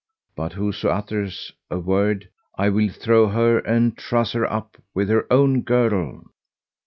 but whoso utters a word, I will throw her and truss her up with her own girdle[FN#161]!"